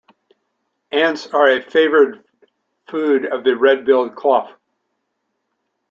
Ants are a favoured food of the red-billed chough.